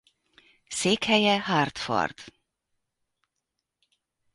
Székhelye Hartford.